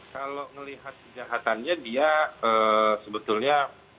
kalau melihat kejahatannya dia sebetulnya